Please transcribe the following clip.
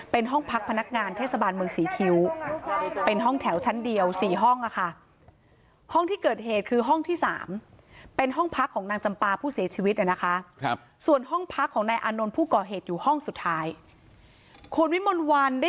เป็นห้องพักพนักงานเทศบาลเมืองศรีคิ้ว